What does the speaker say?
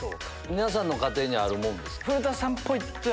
皆さんの家庭にあるもんですか？